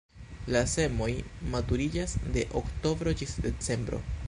La semoj maturiĝas de oktobro ĝis decembro.